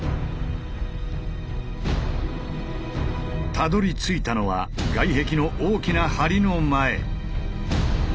たどりついたのは外壁の大きな梁の前。